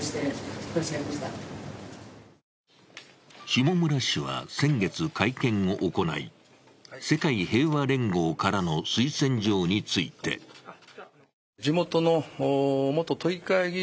下村氏は先月、会見を行い、世界平和連合からの推薦状についてと説明。